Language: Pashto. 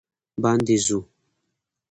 باندې ځو